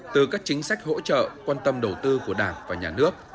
từ các chính sách hỗ trợ quan tâm đầu tư của đảng và nhà nước